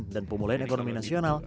dan pemulihan ekonomi nasional